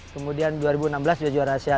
kemudian dua ribu enam belas juga juara asia